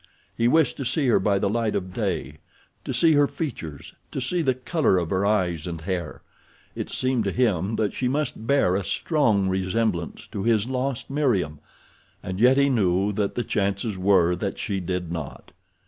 He wished to see her by the light of day, to see her features, to see the color of her eyes and hair. It seemed to him that she must bear a strong resemblance to his lost Meriem, and yet he knew that the chances were that she did not.